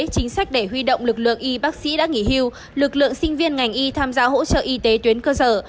chính sách để huy động lực lượng y bác sĩ đã nghỉ hưu lực lượng sinh viên ngành y tham gia hỗ trợ y tế tuyến cơ sở